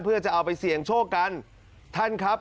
เพื่อจะเอาไปเสี่ยงโชคกันท่านครับ